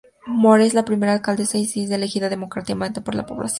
Moore es la primera alcaldesa de Sydney elegida democráticamente por la población.